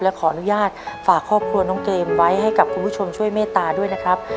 ขออนุญาตฝากครอบครัวน้องเกมไว้ให้กับคุณผู้ชมช่วยเมตตาด้วยนะครับ